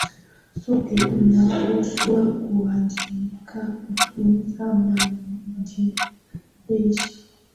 Sote tunapaswa kuwajibika kutunza mazingira